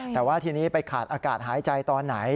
แต่ว่าทีนี้ไปขาดอากาศหายใจตอนไหน